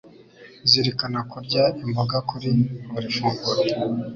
Zirikana kurya imboga kuri buri funguro